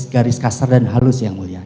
garis kasar dan halus yang mulia